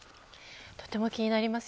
とても気になります。